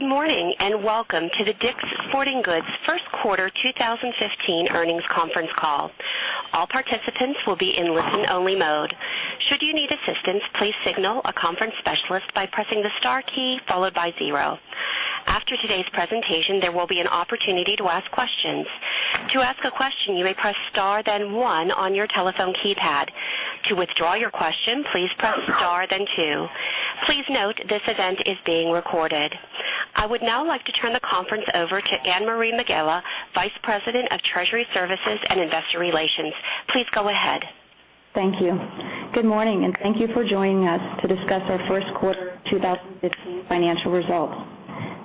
Good morning, and welcome to the DICK'S Sporting Goods first quarter 2015 earnings conference call. All participants will be in listen only mode. Should you need assistance, please signal a conference specialist by pressing the star key followed by zero. After today's presentation, there will be an opportunity to ask questions. To ask a question, you may press star then One on your telephone keypad. To withdraw your question, please press star then two. Please note this event is being recorded. I would now like to turn the conference over to Anne-Marie Megela, Vice President of Treasury Services and Investor Relations. Please go ahead. Thank you. Good morning, and thank you for joining us to discuss our first quarter 2015 financial results.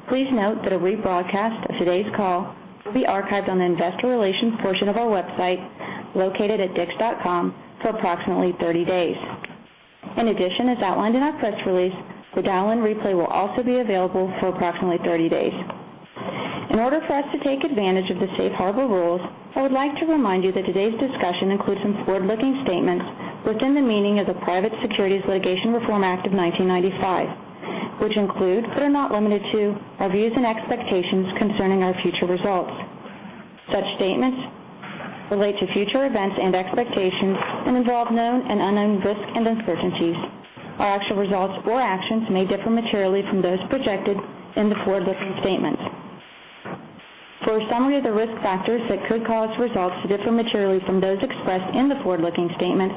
Please note that a rebroadcast of today's call will be archived on the investor relations portion of our website, located at dicks.com for approximately 30 days. In addition, as outlined in our press release, the dial-in replay will also be available for approximately 30 days. In order for us to take advantage of the safe harbor rules, I would like to remind you that today's discussion includes some forward-looking statements within the meaning of the Private Securities Litigation Reform Act of 1995, which include but are not limited to, our views and expectations concerning our future results. Such statements relate to future events and expectations and involve known and unknown risks and uncertainties. Our actual results or actions may differ materially from those projected in the forward-looking statements. For a summary of the risk factors that could cause results to differ materially from those expressed in the forward-looking statements,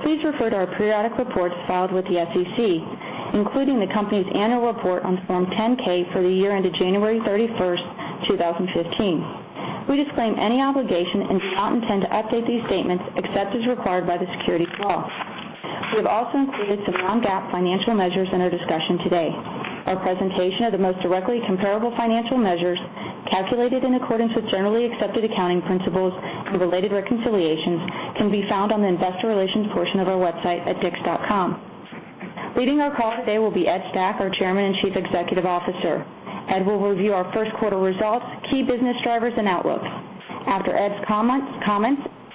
please refer to our periodic reports filed with the SEC, including the company's annual report on Form 10-K for the year ended January 31st, 2015. We disclaim any obligation and do not intend to update these statements except as required by the securities law. We have also included some non-GAAP financial measures in our discussion today. Our presentation of the most directly comparable financial measures calculated in accordance with Generally Accepted Accounting Principles and related reconciliations can be found on the investor relations portion of our website at dicks.com. Leading our call today will be Ed Stack, our Chairman and Chief Executive Officer. Ed will review our first quarter results, key business drivers, and outlook. After Ed's comments,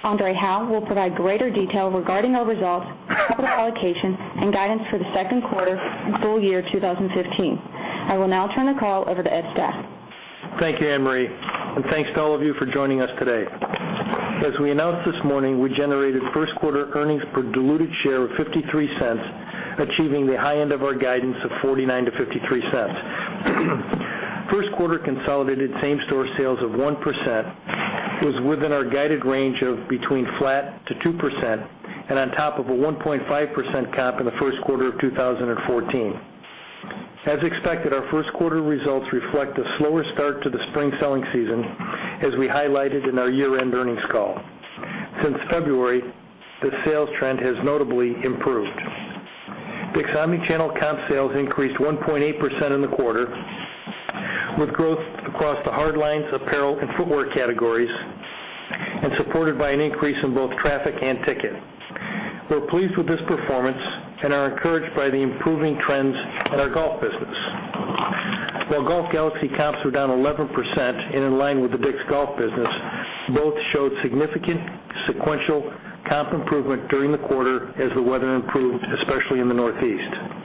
Andre Hawaux will provide greater detail regarding our results, capital allocation, and guidance for the second quarter and full year 2015. I will now turn the call over to Ed Stack. Thank you, Anne-Marie, and thanks to all of you for joining us today. As we announced this morning, we generated first quarter earnings per diluted share of $0.53, achieving the high end of our guidance of $0.49-$0.53. First quarter consolidated same-store sales of 1% was within our guided range of between flat to 2%, and on top of a 1.5% comp in the first quarter of 2014. As expected, our first quarter results reflect a slower start to the spring selling season, as we highlighted in our year-end earnings call. Since February, the sales trend has notably improved. DICK'S omni-channel comp sales increased 1.8% in the quarter, with growth across the hard lines, apparel and footwear categories, and supported by an increase in both traffic and ticket. We're pleased with this performance and are encouraged by the improving trends in our golf business. While Golf Galaxy comps were down 11% and in line with the DICK'S Golf business, both showed significant sequential comp improvement during the quarter as the weather improved, especially in the Northeast.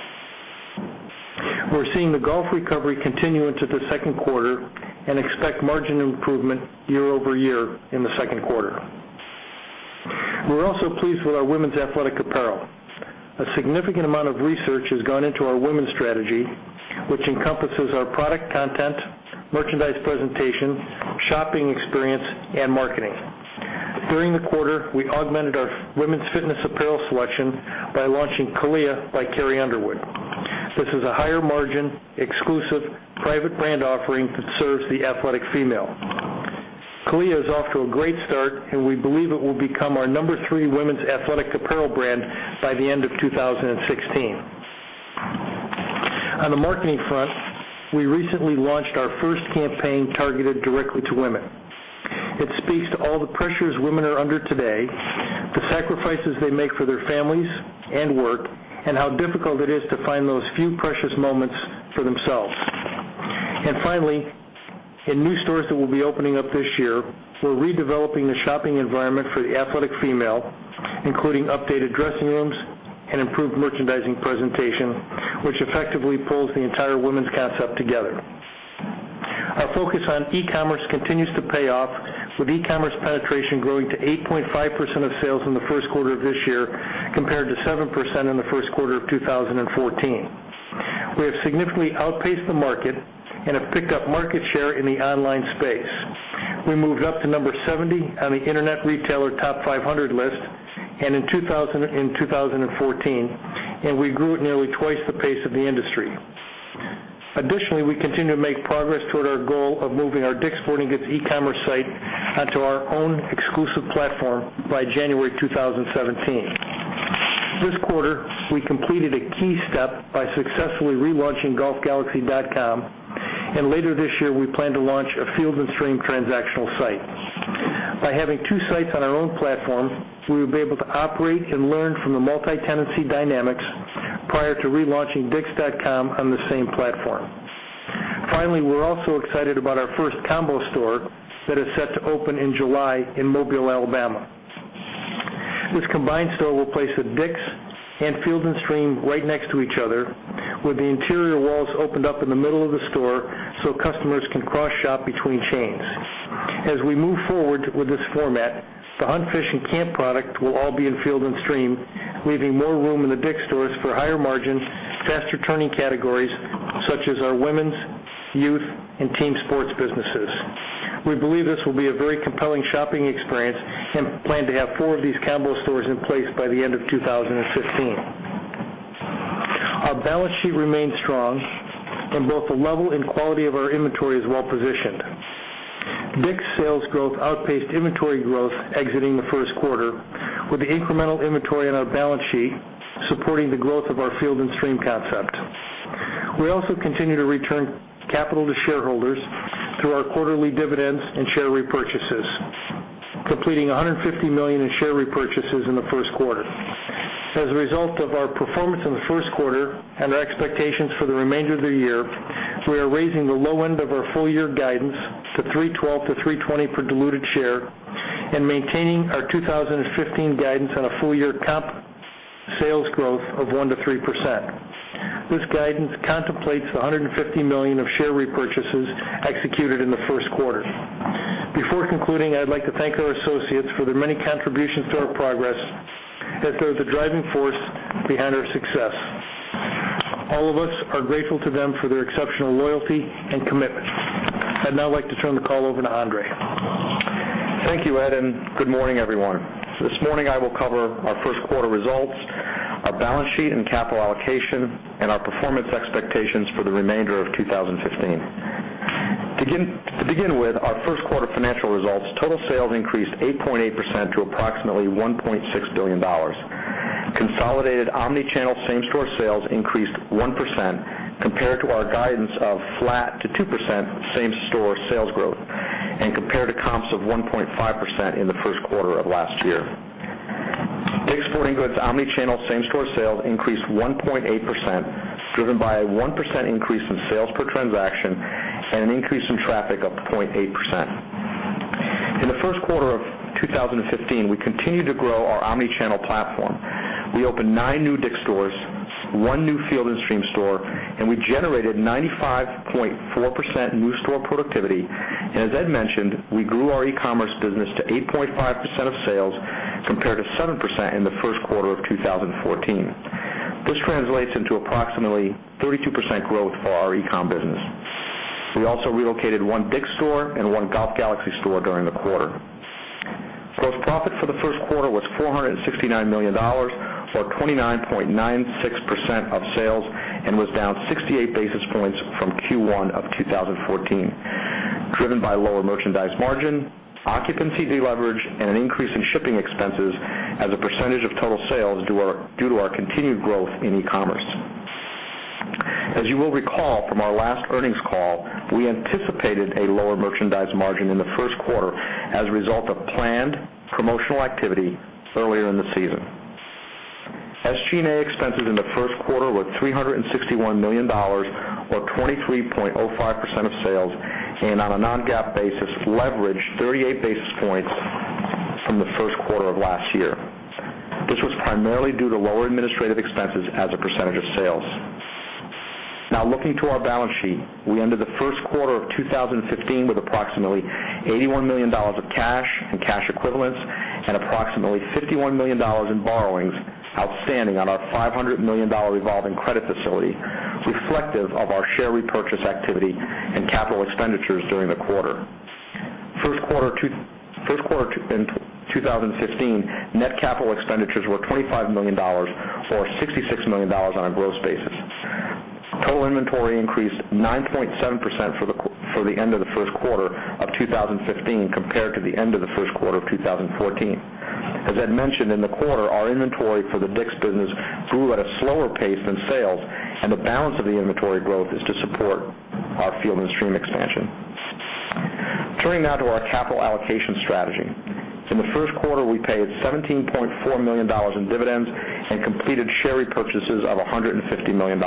We're seeing the golf recovery continue into the second quarter and expect margin improvement year-over-year in the second quarter. We're also pleased with our women's athletic apparel. A significant amount of research has gone into our women's strategy, which encompasses our product content, merchandise presentation, shopping experience, and marketing. During the quarter, we augmented our women's fitness apparel selection by launching CALIA by Carrie Underwood. This is a higher margin, exclusive private brand offering that serves the athletic female. CALIA is off to a great start, and we believe it will become our number three women's athletic apparel brand by the end of 2016. On the marketing front, we recently launched our first campaign targeted directly to women. It speaks to all the pressures women are under today, the sacrifices they make for their families and work, and how difficult it is to find those few precious moments for themselves. Finally, in new stores that will be opening up this year, we're redeveloping the shopping environment for the athletic female, including updated dressing rooms and improved merchandising presentation, which effectively pulls the entire women's concept together. Our focus on e-commerce continues to pay off, with e-commerce penetration growing to 8.5% of sales in the first quarter of this year, compared to 7% in the first quarter of 2014. We have significantly outpaced the market and have picked up market share in the online space. We moved up to number 70 on the Internet Retailer Top 500 list in 2014, we grew at nearly twice the pace of the industry. Additionally, we continue to make progress toward our goal of moving our DICK'S Sporting Goods e-commerce site onto our own exclusive platform by January 2017. This quarter, we completed a key step by successfully relaunching golfgalaxy.com. Later this year, we plan to launch a Field & Stream transactional site. By having two sites on our own platform, we will be able to operate and learn from the multi-tenancy dynamics prior to relaunching dicks.com on the same platform. Finally, we're also excited about our first combo store that is set to open in July in Mobile, Alabama. This combined store will place a DICK'S and Field & Stream right next to each other, with the interior walls opened up in the middle of the store so customers can cross-shop between chains. As we move forward with this format, the hunt, fish, and camp product will all be in Field & Stream, leaving more room in the DICK'S stores for higher margin, faster-turning categories such as our women's, youth, and team sports businesses. We believe this will be a very compelling shopping experience and plan to have four of these combo stores in place by the end of 2015. Our balance sheet remains strong and both the level and quality of our inventory is well-positioned. DICK'S sales growth outpaced inventory growth exiting the first quarter, with the incremental inventory on our balance sheet supporting the growth of our Field & Stream concept. We also continue to return capital to shareholders through our quarterly dividends and share repurchases, completing $150 million in share repurchases in the first quarter. As a result of our performance in the first quarter and our expectations for the remainder of the year, we are raising the low end of our full-year guidance to $3.12-$3.20 per diluted share and maintaining our 2015 guidance on a full-year comp sales growth of 1%-3%. This guidance contemplates $150 million of share repurchases executed in the first quarter. Before concluding, I'd like to thank our associates for their many contributions to our progress, as they are the driving force behind our success. All of us are grateful to them for their exceptional loyalty and commitment. I'd now like to turn the call over to Andre. Thank you, Ed, and good morning, everyone. This morning, I will cover our first quarter results, our balance sheet and capital allocation, and our performance expectations for the remainder of 2015. To begin with, our first quarter financial results, total sales increased 8.8% to approximately $1.6 billion. Consolidated omni-channel same-store sales increased 1% compared to our guidance of flat to 2% same-store sales growth and compared to comps of 1.5% in the first quarter of last year. DICK'S Sporting Goods omni-channel same-store sales increased 1.8%, driven by a 1% increase in sales per transaction and an increase in traffic of 0.8%. In the first quarter of 2015, we continued to grow our omni-channel platform. We opened nine new DICK'S stores, one new Field & Stream store, and we generated 95.4% new store productivity. As Ed mentioned, we grew our e-commerce business to 8.5% of sales, compared to 7% in the first quarter of 2014. This translates into approximately 32% growth for our e-com business. We also relocated one DICK'S store and one Golf Galaxy store during the quarter. Gross profit for the first quarter was $469 million, or 29.96% of sales, and was down 68 basis points from Q1 of 2014, driven by lower merchandise margin, occupancy deleverage, and an increase in shipping expenses as a percentage of total sales due to our continued growth in e-commerce. As you will recall from our last earnings call, we anticipated a lower merchandise margin in the first quarter as a result of planned promotional activity earlier in the season. SG&A expenses in the first quarter were $361 million, or 23.05% of sales, and on a non-GAAP basis, leveraged 38 basis points from the first quarter of last year. This was primarily due to lower administrative expenses as a percentage of sales. Now looking to our balance sheet. We ended the first quarter of 2015 with approximately $81 million of cash and cash equivalents and approximately $51 million in borrowings outstanding on our $500 million revolving credit facility, reflective of our share repurchase activity and capital expenditures during the quarter. First quarter in 2015, net capital expenditures were $25 million, or $66 million on a gross basis. Total inventory increased 9.7% for the end of the first quarter of 2015 compared to the end of the first quarter of 2014. As Ed mentioned in the quarter, our inventory for the DICK'S business grew at a slower pace than sales, and the balance of the inventory growth is to support our Field & Stream expansion. Turning now to our capital allocation strategy. In the first quarter, we paid $17.4 million in dividends and completed share repurchases of $150 million.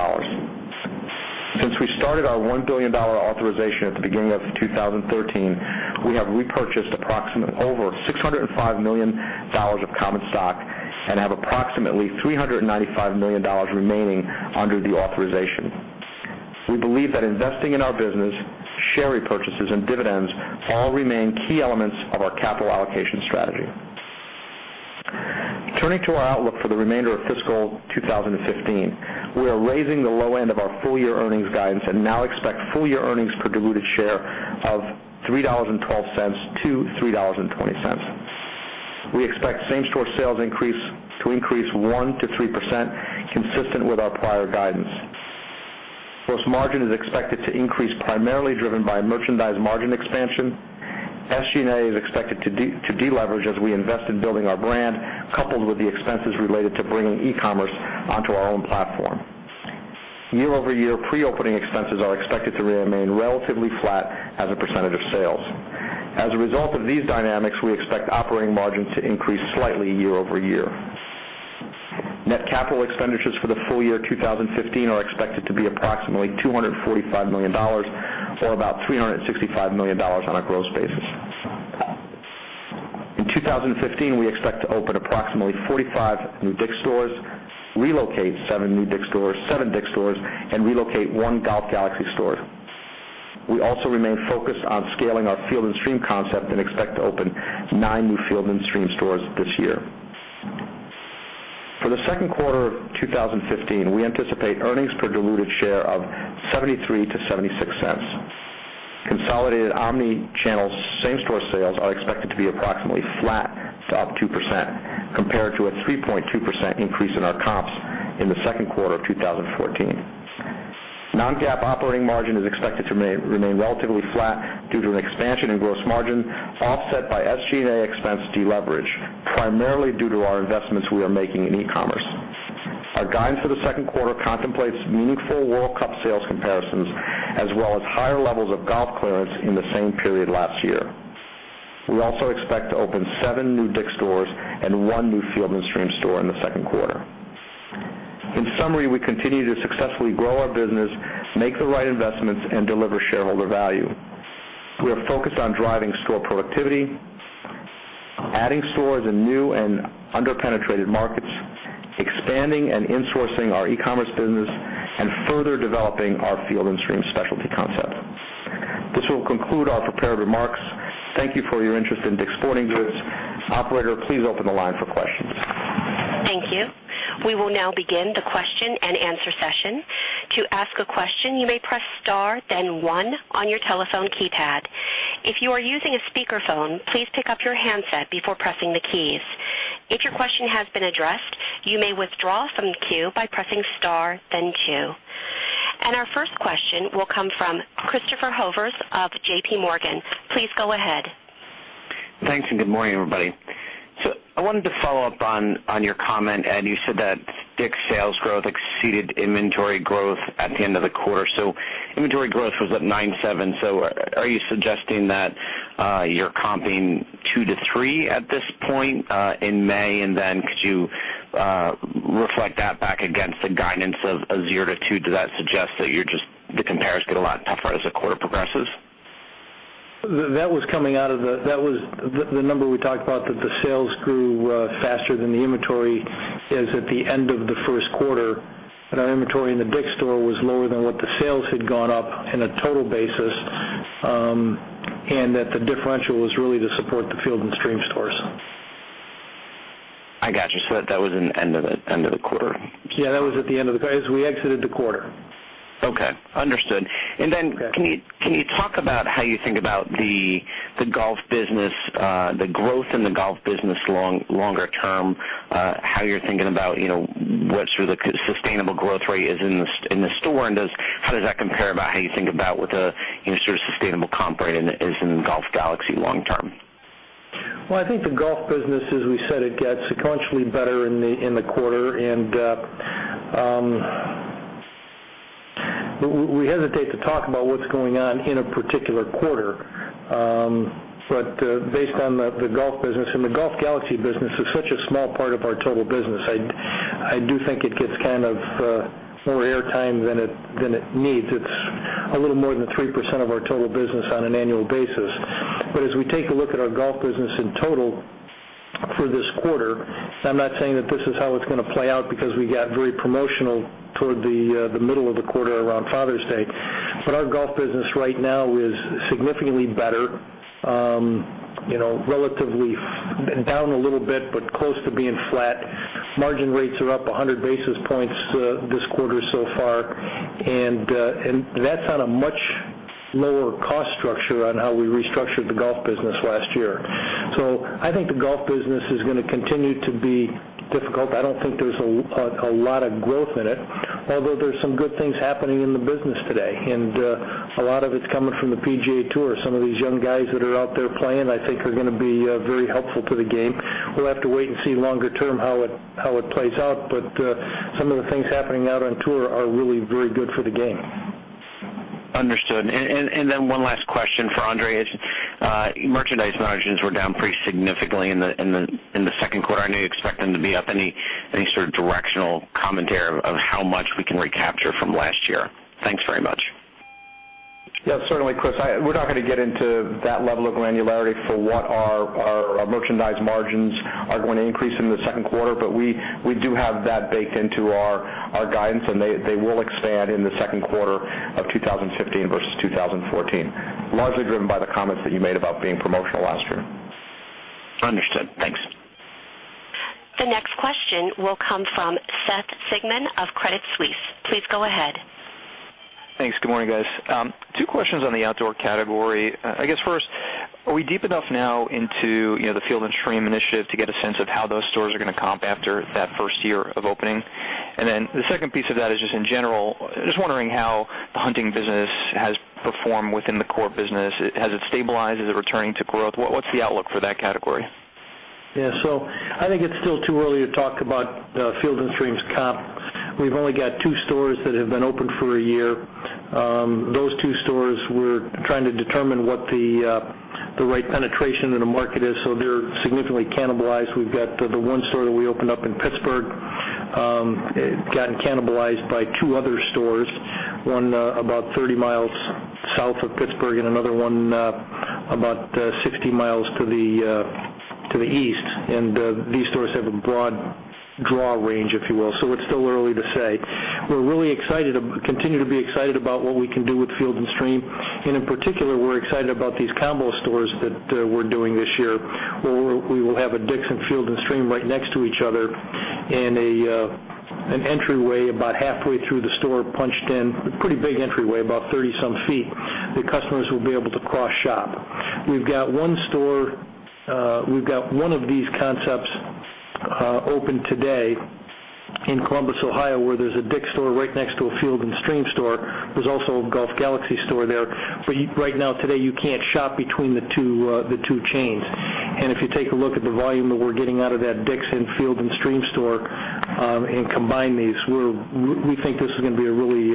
Since we started our $1 billion authorization at the beginning of 2013, we have repurchased approximately over $605 million of common stock and have approximately $395 million remaining under the authorization. We believe that investing in our business, share repurchases, and dividends all remain key elements of our capital allocation strategy. Turning to our outlook for the remainder of fiscal 2015. We are raising the low end of our full-year earnings guidance and now expect full-year earnings per diluted share of $3.12 to $3.20. We expect same-store sales to increase 1%-3%, consistent with our prior guidance. Gross margin is expected to increase primarily driven by merchandise margin expansion. SG&A is expected to deleverage as we invest in building our brand, coupled with the expenses related to bringing e-commerce onto our own platform. Year-over-year, pre-opening expenses are expected to remain relatively flat as a percentage of sales. As a result of these dynamics, we expect operating margins to increase slightly year-over-year. Net capital expenditures for the full year 2015 are expected to be approximately $245 million, or about $365 million on a gross basis. In 2015, we expect to open approximately 45 new DICK'S stores, relocate seven DICK'S stores, and relocate one Golf Galaxy store. We also remain focused on scaling our Field & Stream concept and expect to open nine new Field & Stream stores this year. For the second quarter of 2015, we anticipate earnings per diluted share of $0.73 to $0.76. Consolidated omni-channel same-store sales are expected to be approximately flat to up 2%, compared to a 3.2% increase in our comps in the second quarter of 2014. Non-GAAP operating margin is expected to remain relatively flat due to an expansion in gross margin, offset by SG&A expense deleverage, primarily due to our investments we are making in e-commerce. Our guidance for the second quarter contemplates meaningful World Cup sales comparisons, as well as higher levels of golf clearance in the same period last year. We also expect to open seven new DICK'S stores and one new Field & Stream store in the second quarter. In summary, we continue to successfully grow our business, make the right investments, and deliver shareholder value. We are focused on driving store productivity, adding stores in new and under-penetrated markets, expanding and insourcing our e-commerce business, and further developing our Field & Stream specialty concept. This will conclude our prepared remarks. Thank you for your interest in DICK'S Sporting Goods. Operator, please open the line for questions. Thank you. We will now begin the question and answer session. To ask a question, you may press star then one on your telephone keypad. If you are using a speakerphone, please pick up your handset before pressing the keys. If your question has been addressed, you may withdraw from the queue by pressing star then two. Our first question will come from Christopher Horvers of JPMorgan. Please go ahead. Thanks, good morning, everybody. I wanted to follow up on your comment, Ed, you said that DICK'S sales growth exceeded inventory growth at the end of the quarter. Inventory growth was at 9.7. Are you suggesting that you're comping 2%-3% at this point in May? Then could you reflect that back against the guidance of a 0%-2%? Does that suggest that the compares get a lot tougher as the quarter progresses? The number we talked about that the sales grew faster than the inventory is at the end of the first quarter, that our inventory in the DICK'S store was lower than what the sales had gone up in a total basis, and that the differential was really to support the Field & Stream stores. I got you. That was in the end of the quarter. Yeah, that was at the end of the as we exited the quarter. Okay. Understood. Can you talk about how you think about the growth in the golf business longer term, how you're thinking about what the sustainable growth rate is in the store, and how does that compare about how you think about what the sustainable comp rate is in Golf Galaxy long term? Well, I think the golf business, as we said, it gets sequentially better in the quarter. We hesitate to talk about what's going on in a particular quarter. Based on the golf business, and the Golf Galaxy business is such a small part of our total business. I do think it gets more airtime than it needs. It's a little more than 3% of our total business on an annual basis. As we take a look at our golf business in total for this quarter, I'm not saying that this is how it's going to play out because we got very promotional toward the middle of the quarter around Father's Day. Our golf business right now is significantly better. Relatively down a little bit, but close to being flat. Margin rates are up 100 basis points this quarter so far, and that's on a much lower cost structure on how we restructured the golf business last year. I don't think the golf business is going to continue to be difficult. I don't think there's a lot of growth in it, although there's some good things happening in the business today, and a lot of it's coming from the PGA TOUR. Some of these young guys that are out there playing, I think, are going to be very helpful to the game. We'll have to wait and see longer term how it plays out. Some of the things happening out on tour are really very good for the game. Understood. One last question for Andre. Merchandise margins were down pretty significantly in the second quarter. I know you expect them to be up. Any sort of directional commentary of how much we can recapture from last year? Thanks very much. Certainly, Chris. We're not going to get into that level of granularity for what our merchandise margins are going to increase in the second quarter, but we do have that baked into our guidance, and they will expand in the second quarter of 2015 versus 2014, largely driven by the comments that you made about being promotional last year. Understood. Thanks. The next question will come from Seth Sigman of Credit Suisse. Please go ahead. Thanks. Good morning, guys. Two questions on the outdoor category. I guess first, are we deep enough now into the Field & Stream initiative to get a sense of how those stores are going to comp after that first year of opening? The second piece of that is just in general, just wondering how the hunting business has performed within the core business. Has it stabilized? Is it returning to growth? What's the outlook for that category? Yeah. I think it's still too early to talk about Field & Stream's comp. We've only got two stores that have been open for a year. Those two stores, we're trying to determine what the right penetration in the market is, so they're significantly cannibalized. We've got the one store that we opened up in Pittsburgh. It had gotten cannibalized by two other stores, one about 30 miles south of Pittsburgh and another one about 60 miles to the east. These stores have a broad draw range, if you will. It's still early to say. We continue to be excited about what we can do with Field & Stream, and in particular, we're excited about these combo stores that we're doing this year, where we will have a DICK'S and Field & Stream right next to each other and an entryway about halfway through the store punched in. A pretty big entryway, about 30-some feet, that customers will be able to cross-shop. We've got one of these concepts open today in Columbus, Ohio, where there's a DICK'S store right next to a Field & Stream store. There's also a Golf Galaxy store there. Right now, today, you can't shop between the two chains. If you take a look at the volume that we're getting out of that DICK'S and Field & Stream store and combine these, we think this is going to be a really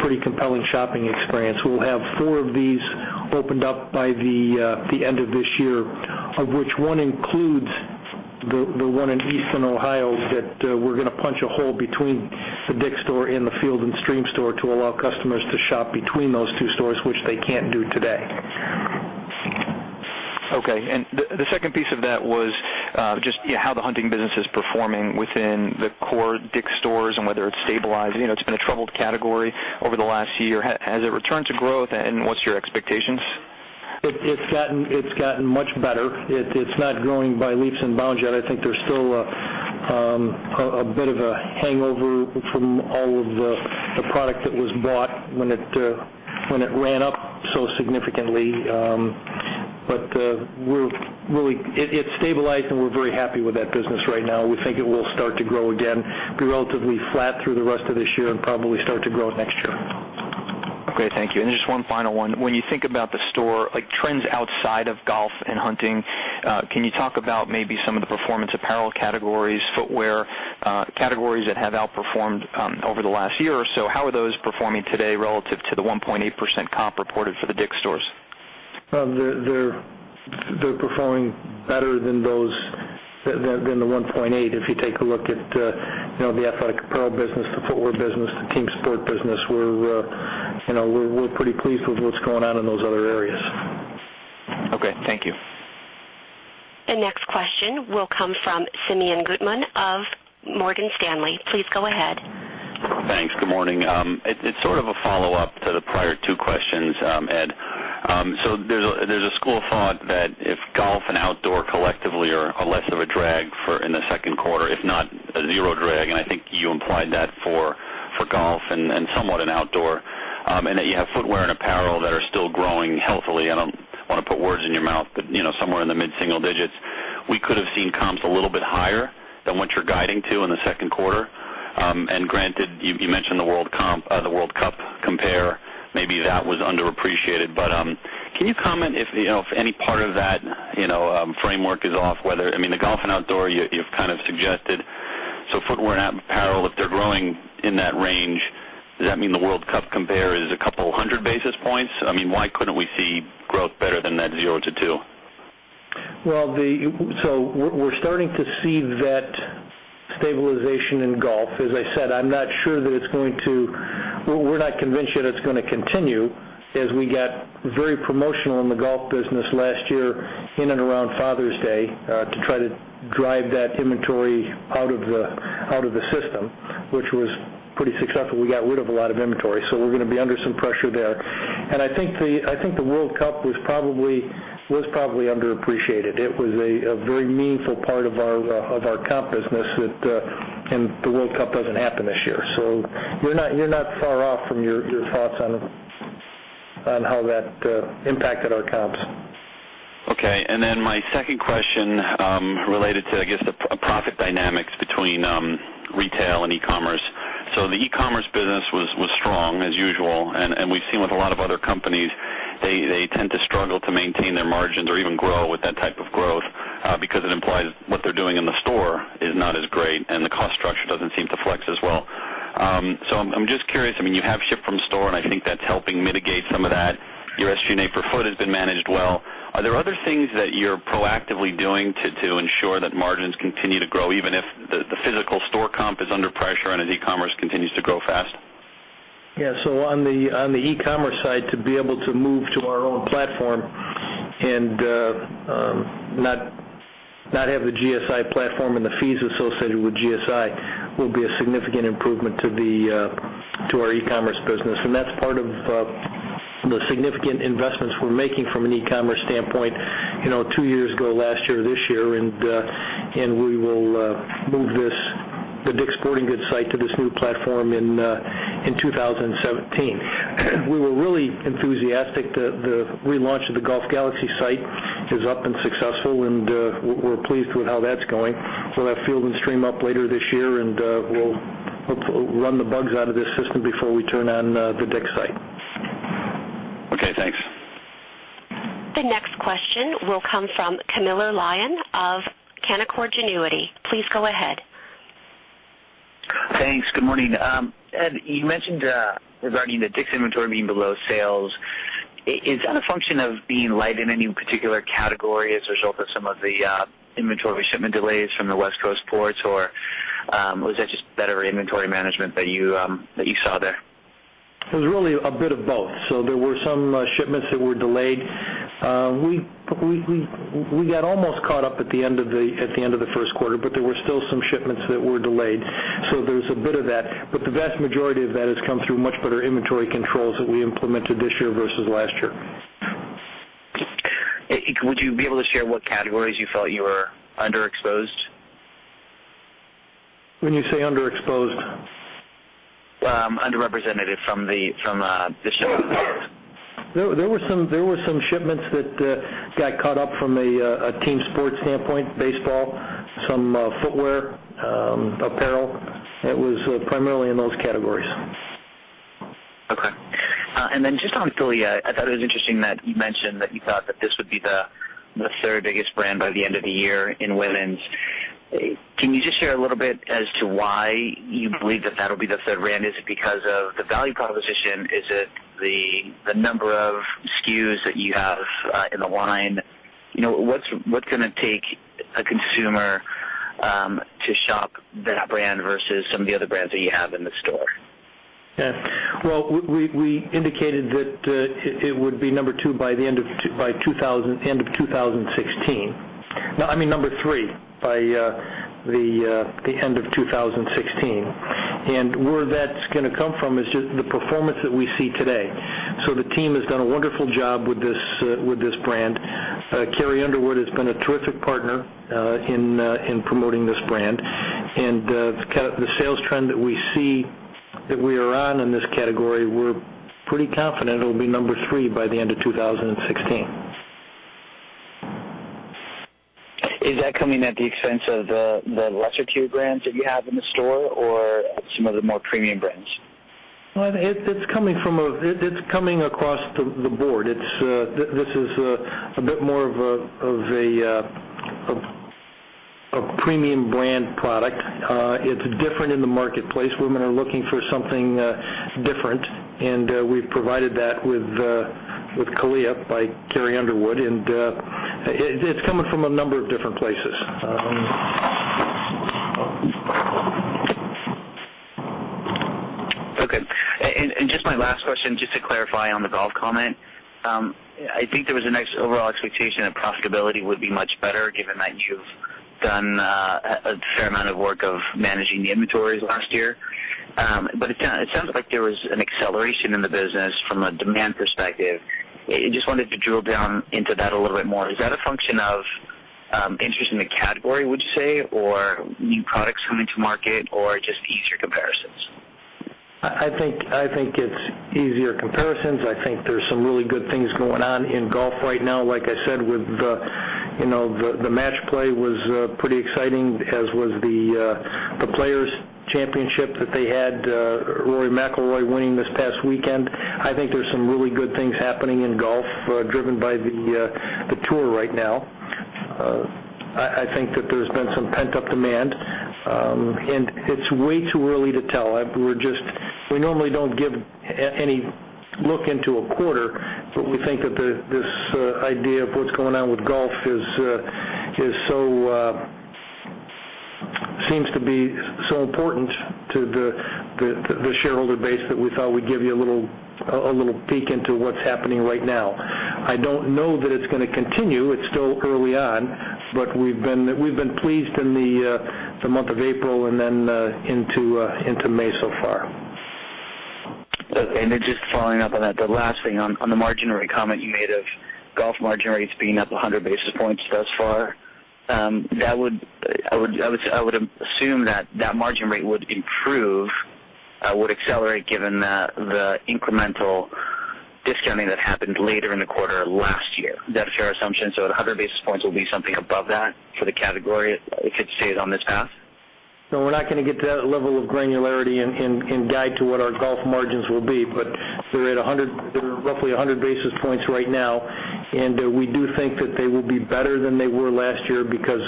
pretty compelling shopping experience. We'll have four of these opened up by the end of this year, of which one includes the one in eastern Ohio that we're going to punch a hole between the DICK'S store and the Field & Stream store to allow customers to shop between those two stores, which they can't do today. Okay. The second piece of that was just how the hunting business is performing within the core DICK'S stores and whether it's stabilizing. It's been a troubled category over the last year. Has it returned to growth, and what's your expectations? It's gotten much better. It's not growing by leaps and bounds yet. I think there's still a bit of a hangover from all of the product that was bought when it ran up so significantly. It's stabilized, and we're very happy with that business right now. We think it will start to grow again, be relatively flat through the rest of this year, and probably start to grow next year. Okay, thank you. Just one final one. When you think about the store trends outside of golf and hunting, can you talk about maybe some of the performance apparel categories, footwear categories that have outperformed over the last year or so? How are those performing today relative to the 1.8% comp reported for the DICK'S stores? They're performing better than the 1.8. If you take a look at the athletic apparel business, the footwear business, the team sport business, we're pretty pleased with what's going on in those other areas. Okay, thank you. The next question will come from Simeon Gutman of Morgan Stanley. Please go ahead. Thanks. Good morning. There's a school of thought that if golf and outdoor collectively are less of a drag in the second quarter, if not a zero drag, and I think you implied that for golf and somewhat in outdoor, and that you have footwear and apparel that are still growing healthily. I don't want to put words in your mouth, but somewhere in the mid-single digits. We could have seen comps a little bit higher than what you're guiding to in the second quarter. Granted, you mentioned the World Cup compare. Maybe that was underappreciated. Can you comment if any part of that framework is off, the golf and outdoor, you've kind of suggested. Footwear and apparel, if they're growing in that range, does that mean the World Cup compare is a couple hundred basis points? Why couldn't we see growth better than that zero to two? We're starting to see that stabilization in golf. As I said, we're not convinced yet it's going to continue as we got very promotional in the golf business last year in and around Father's Day to try to drive that inventory out of the system, which was pretty successful. We got rid of a lot of inventory, we're going to be under some pressure there. I think the World Cup was probably underappreciated. It was a very meaningful part of our comp business and the World Cup doesn't happen this year. You're not far off from your thoughts on how that impacted our comps. My second question related to, I guess, the profit dynamics between retail and e-commerce. The e-commerce business was strong as usual, and we've seen with a lot of other companies, they tend to struggle to maintain their margins or even grow with that type of growth because it implies what they're doing in the store is not as great and the cost structure doesn't seem to flex as well. I'm just curious, you have ship from store, and I think that's helping mitigate some of that. Your SG&A per foot has been managed well. Are there other things that you're proactively doing to ensure that margins continue to grow, even if the physical store comp is under pressure and as e-commerce continues to grow fast? On the e-commerce side, to be able to move to our own platform and not have the GSI platform and the fees associated with GSI will be a significant improvement to our e-commerce business. That's part of the significant investments we're making from an e-commerce standpoint two years ago, last year, this year, and we will move the DICK'S Sporting Goods site to this new platform in 2017. We were really enthusiastic. The relaunch of the Golf Galaxy site is up and successful, and we're pleased with how that's going. We'll have Field & Stream up later this year, and we'll hopefully run the bugs out of this system before we turn on the DICK'S site. Okay, thanks. The next question will come from Camilo Lyon of Canaccord Genuity. Please go ahead. Thanks. Good morning. Ed, you mentioned, regarding the DICK'S inventory being below sales, is that a function of being light in any particular category as a result of some of the inventory shipment delays from the West Coast ports, or was that just better inventory management that you saw there? It was really a bit of both. There were some shipments that were delayed. We got almost caught up at the end of the first quarter, but there were still some shipments that were delayed. There was a bit of that. The vast majority of that has come through much better inventory controls that we implemented this year versus last year. Would you be able to share what categories you felt you were underexposed? When you say underexposed? Underrepresented from the shipments. There were some shipments that got caught up from a team sports standpoint, baseball, some footwear, apparel. It was primarily in those categories. Okay. Just on CALIA, I thought it was interesting that you mentioned that you thought that this would be the third biggest brand by the end of the year in women's. Can you just share a little bit as to why you believe that that'll be the third brand? Is it because of the value proposition? Is it the number of SKUs that you have in the line? What's going to take a consumer to shop that brand versus some of the other brands that you have in the store? Yes. Well, we indicated that it would be number 2 by the end of 2016. No, I mean, number 3 by the end of 2016. Where that's gonna come from is just the performance that we see today. The team has done a wonderful job with this brand. Carrie Underwood has been a terrific partner in promoting this brand. The sales trend that we see that we are on in this category, we're pretty confident it'll be number 3 by the end of 2016. Is that coming at the expense of the lesser tier brands that you have in the store or some of the more premium brands? Well, it's coming across the board. This is a bit more of a premium brand product. It's different in the marketplace. Women are looking for something different, and we've provided that with CALIA by Carrie Underwood, and it's coming from a number of different places. Okay. Just my last question, just to clarify on the golf comment. I think there was a nice overall expectation that profitability would be much better given that you've done a fair amount of work of managing the inventories last year. It sounds like there was an acceleration in the business from a demand perspective. I just wanted to drill down into that a little bit more. Is that a function of interest in the category, would you say, or new products coming to market, or just easier comparisons? I think it's easier comparisons. I think there's some really good things going on in golf right now. Like I said, the match play was pretty exciting, as was The Players Championship that they had, Rory McIlroy winning this past weekend. I think there's some really good things happening in golf, driven by the tour right now. I think that there's been some pent-up demand. It's way too early to tell. We normally don't give any look into a quarter, but we think that this idea of what's going on with golf seems to be so important to the shareholder base that we thought we'd give you a little peek into what's happening right now. I don't know that it's gonna continue. It's still early on, but we've been pleased in the month of April and then into May so far. Okay. Just following up on that, the last thing on the margin rate comment you made of golf margin rates being up 100 basis points thus far. I would assume that that margin rate would improve, would accelerate given the incremental discounting that happened later in the quarter last year. Is that a fair assumption? At 100 basis points, will it be something above that for the category if it stays on this path? No, we're not going to get to that level of granularity and guide to what our golf margins will be, but they're at roughly 100 basis points right now, and we do think that they will be better than they were last year because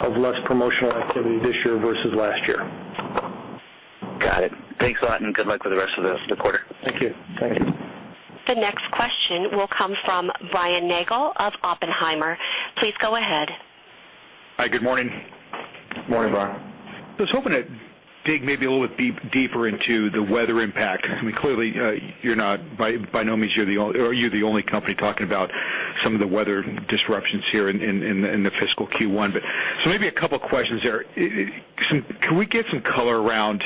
of less promotional activity this year versus last year. Got it. Thanks a lot and good luck with the rest of the quarter. Thank you. The next question will come from Brian Nagel of Oppenheimer. Please go ahead. Hi, good morning. Morning, Brian. Just hoping to dig maybe a little bit deeper into the weather impact. Clearly, by no means are you the only company talking about some of the weather disruptions here in the fiscal Q1. Maybe a couple questions there. Can we get some color around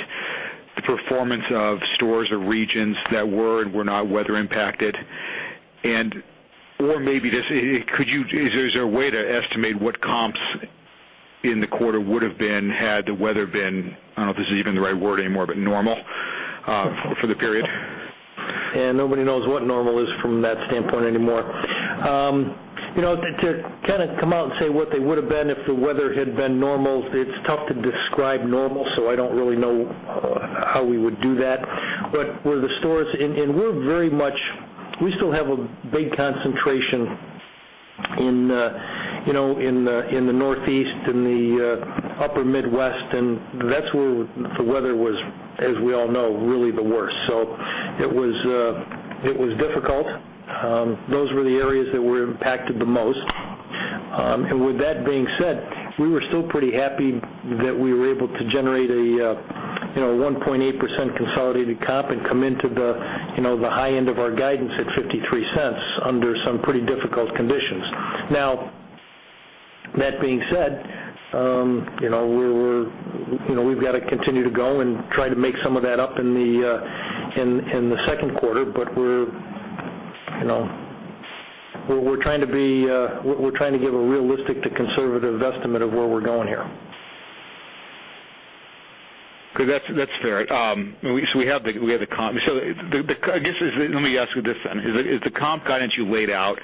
the performance of stores or regions that were and were not weather impacted? Or maybe, is there a way to estimate what comps in the quarter would've been had the weather been, I don't know if this is even the right word anymore, but normal for the period? Nobody knows what normal is from that standpoint anymore. To come out and say what they would have been if the weather had been normal, it's tough to describe normal, so I don't really know how we would do that. Where the stores, and we still have a big concentration in the Northeast, in the upper Midwest, and that's where the weather was, as we all know, really the worst. It was difficult. Those were the areas that were impacted the most. With that being said, we were still pretty happy that we were able to generate a 1.8% consolidated comp and come into the high end of our guidance at $0.53 under some pretty difficult conditions. Now, that being said, we've got to continue to go and try to make some of that up in the second quarter. We're trying to give a realistic to conservative estimate of where we're going here. Okay. That's fair. We have the comp. Let me ask you this then. Is the comp guidance you laid out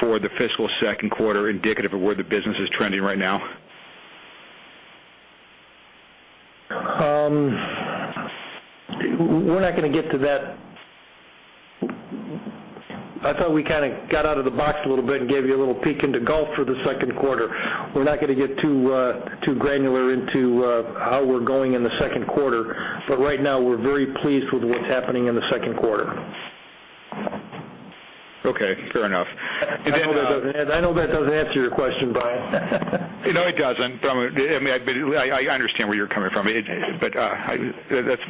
for the fiscal second quarter indicative of where the business is trending right now? We're not going to get to that. I thought we got out of the box a little bit and gave you a little peek into golf for the second quarter. We're not going to get too granular into how we're going in the second quarter. Right now, we're very pleased with what's happening in the second quarter. Okay, fair enough. I know that doesn't answer your question, Brian. It doesn't. I understand where you're coming from. That's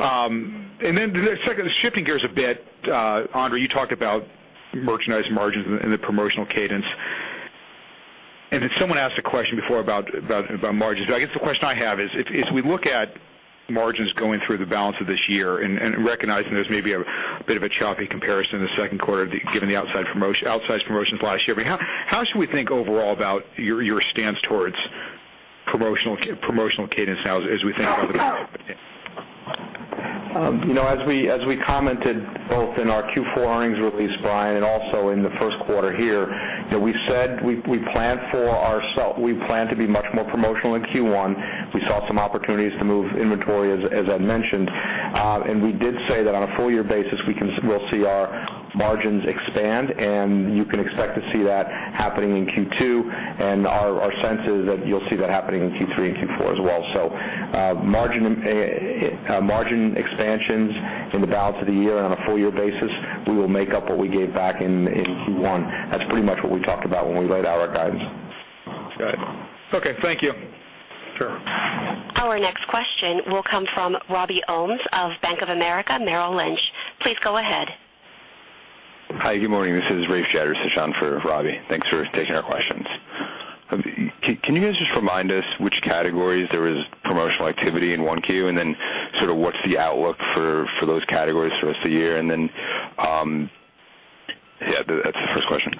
fine. Shifting gears a bit, Andre, you talked about merchandise margins and the promotional cadence. Someone asked a question before about margins. I guess the question I have is, if we look at margins going through the balance of this year and recognizing there's maybe a bit of a choppy comparison in the second quarter, given the outsized promotions last year. How should we think overall about your stance towards promotional cadence now as we think about the As we commented both in our Q4 earnings release, Brian, and also in the first quarter here, we said we plan to be much more promotional in Q1. We saw some opportunities to move inventory, as I mentioned. We did say that on a full year basis, we'll see our margins expand, and you can expect to see that happening in Q2, and our sense is that you'll see that happening in Q3 and Q4 as well. Margin expansions in the balance of the year and on a full year basis, we will make up what we gave back in Q1. That's pretty much what we talked about when we laid out our guidance. Got it. Okay. Thank you. Sure. Our next question will come from Robert Ohmes of Bank of America Merrill Lynch. Please go ahead. Hi, good morning. This is Raj Shatters on for Robbie. Thanks for taking our questions. Can you guys just remind us which categories there was promotional activity in 1Q, and then sort of what's the outlook for those categories for the rest of the year? That's the first question.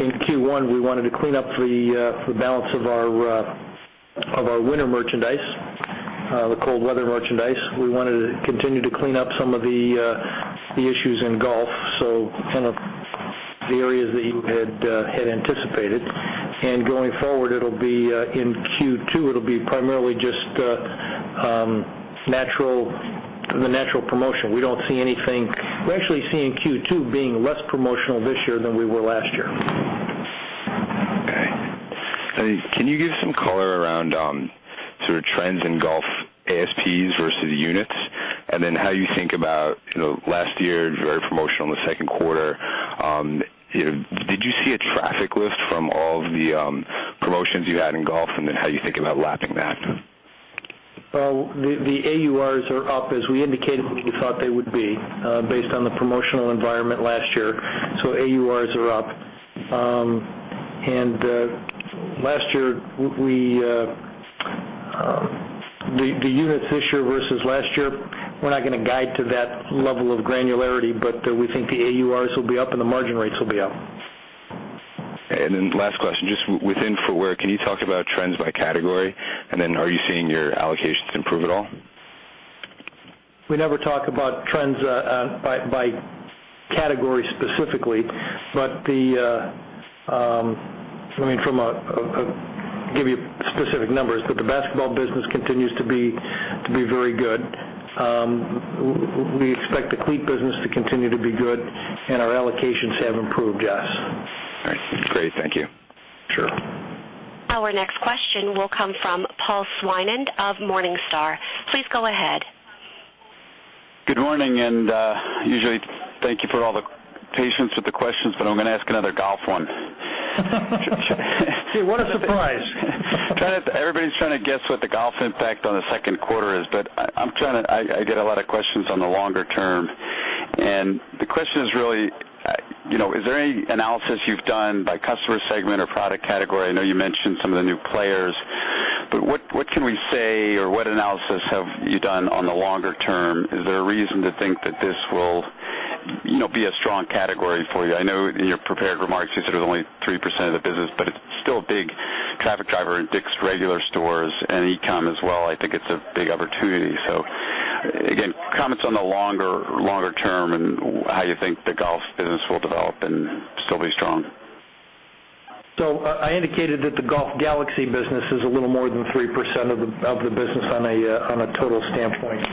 In Q1, we wanted to clean up the balance of our winter merchandise, the cold weather merchandise. We wanted to continue to clean up some of the issues in golf, kind of the areas that you had anticipated. Going forward, in Q2, it'll be primarily just the natural promotion. We're actually seeing Q2 being less promotional this year than we were last year. Okay. Can you give some color around sort of trends in golf ASPs versus units, and then how you think about last year, very promotional in the second quarter. Did you see a traffic lift from all of the promotions you had in golf, and then how you think about lapping that? Well, the AURs are up as we indicated we thought they would be based on the promotional environment last year. AURs are up. The units this year versus last year, we're not going to guide to that level of granularity, but we think the AURs will be up and the margin rates will be up. Last question, just within footwear, can you talk about trends by category, and then are you seeing your allocations improve at all? We never talk about trends by category specifically. I mean, give you specific numbers, but the basketball business continues to be very good. We expect the cleat business to continue to be good, and our allocations have improved, yes. All right, great. Thank you. Sure. Our next question will come from Paul Swinand of Morningstar. Please go ahead. Good morning. Usually thank you for all the patience with the questions, but I'm going to ask another golf one. Gee, what a surprise. Everybody's trying to guess what the golf impact on the second quarter is. I get a lot of questions on the longer term. The question is really, is there any analysis you've done by customer segment or product category? I know you mentioned some of the new players. What can we say or what analysis have you done on the longer term? Is there a reason to think that this will be a strong category for you? I know in your prepared remarks, you said it was only 3% of the business. It's still a big traffic driver in DICK'S regular stores and e-com as well. I think it's a big opportunity. Again, comments on the longer term and how you think the golf business will develop and still be strong. I indicated that the Golf Galaxy business is a little more than 3% of the business on a total standpoint.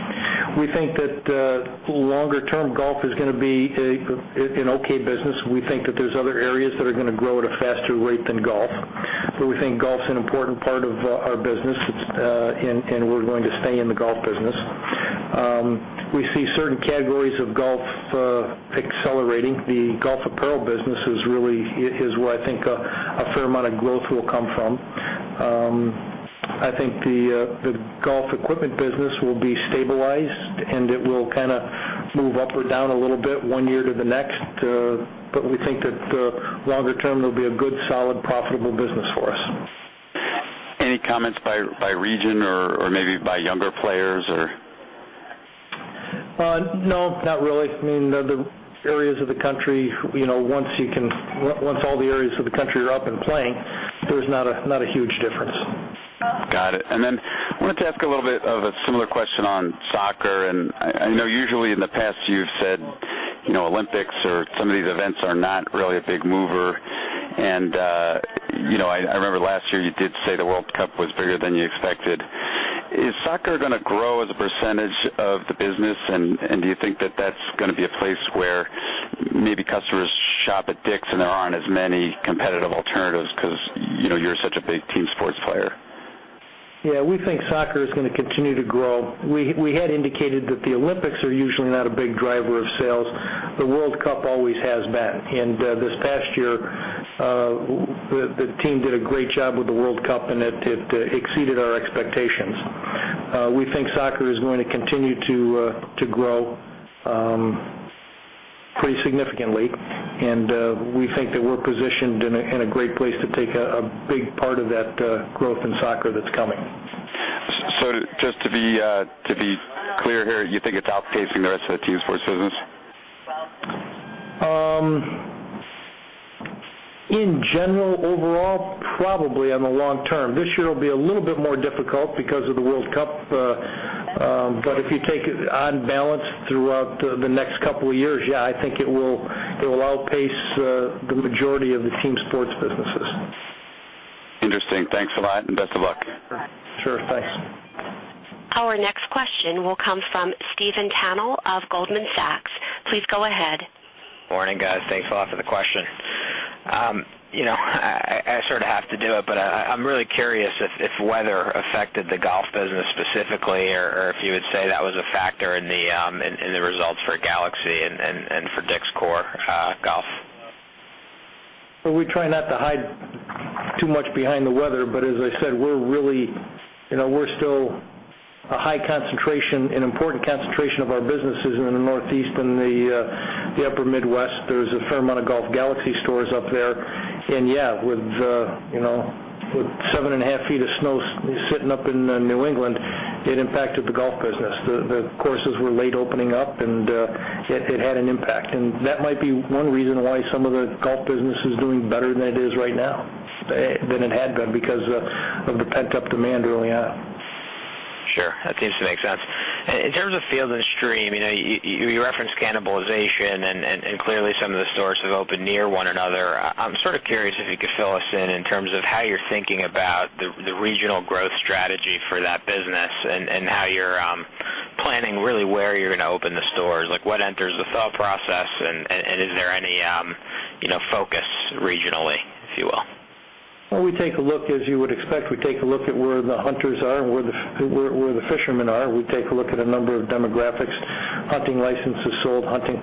We think that longer term, golf is going to be an okay business. We think that there's other areas that are going to grow at a faster rate than golf. We think golf's an important part of our business, and we're going to stay in the golf business. We see certain categories of golf accelerating. The golf apparel business is really where I think a fair amount of growth will come from. I think the golf equipment business will be stabilized, and it will move up or down a little bit one year to the next. We think that longer term, it'll be a good, solid, profitable business for us. Any comments by region or maybe by younger players or? No, not really. The areas of the country, once all the areas of the country are up and playing, there's not a huge difference. Got it. I wanted to ask a little bit of a similar question on soccer. I know usually in the past you've said, Olympics or some of these events are not really a big mover. I remember last year you did say the World Cup was bigger than you expected. Is soccer going to grow as a percentage of the business, and do you think that that's going to be a place where maybe customers shop at DICK'S and there aren't as many competitive alternatives because you're such a big team sports player? We think soccer is going to continue to grow. We had indicated that the Olympics are usually not a big driver of sales. The World Cup always has been. This past year, the team did a great job with the World Cup, and it exceeded our expectations. We think soccer is going to continue to grow pretty significantly, and we think that we're positioned in a great place to take a big part of that growth in soccer that's coming. Just to be clear here, you think it's outpacing the rest of the team sports business? In general, overall, probably on the long term. This year will be a little bit more difficult because of the World Cup. If you take it on balance throughout the next couple of years, yeah, I think it will outpace the majority of the team sports businesses. Interesting. Thanks a lot, and best of luck. Sure. Thanks. Our next question will come from Stephen Tanal of Goldman Sachs. Please go ahead. Morning, guys. Thanks a lot for the question. I sort of have to do it, but I am really curious if weather affected the golf business specifically or if you would say that was a factor in the results for Golf Galaxy and for DICK'S core golf. Well, we try not to hide too much behind the weather, but as I said, we are still a high concentration, an important concentration of our businesses in the Northeast and the Upper Midwest. There is a fair amount of Golf Galaxy stores up there. Yeah, with seven and a half feet of snow sitting up in New England, it impacted the golf business. The courses were late opening up, and it had an impact. That might be one reason why some of the golf business is doing better than it is right now, than it had been because of the pent-up demand early on. Sure. That seems to make sense. In terms of Field & Stream, you referenced cannibalization, and clearly, some of the stores have opened near one another. I am sort of curious if you could fill us in terms of how you are thinking about the regional growth strategy for that business and how you are planning really where you are going to open the stores. What enters the thought process, and is there any focus regionally, if you will? Well, as you would expect, we take a look at where the hunters are and where the fishermen are. We take a look at a number of demographics, hunting licenses sold, hunting